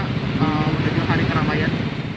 kalau pagi hari keramaian